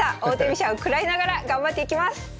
王手飛車を食らいながら頑張っていきます！